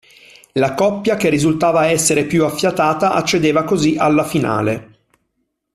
La coppia che risultava essere più affiatata accedeva così alla finale.